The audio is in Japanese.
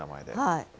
はい。